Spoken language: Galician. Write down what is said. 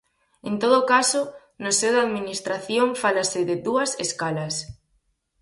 En todo caso, no seo da Administración fálase de "dúas escalas".